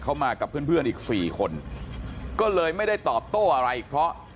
เขามากับเพื่อนเพื่อนอีกสี่คนก็เลยไม่ได้ตอบโต้อะไรเพราะ